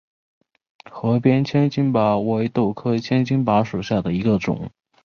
河边千斤拔为豆科千斤拔属下的一个种。